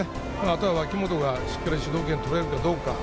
あとは脇本がしっかり指導権取れるかどうか。